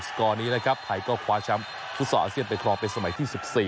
สกอร์นี้นะครับไทยก็คว้าช้ำทุศอาเซียไปคลองไปสมัยที่๑๔